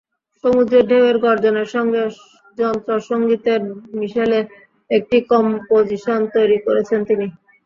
সমুদ্রের ঢেউয়ের গর্জনের সঙ্গে যন্ত্রসংগীতের মিশেলে একটি কম্পোজিশন তৈরি করেছেন তিনি।